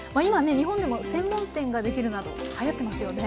日本でも専門店ができるなどはやってますよね。